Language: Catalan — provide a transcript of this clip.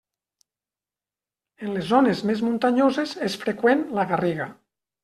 En les zones més muntanyoses és freqüent la garriga.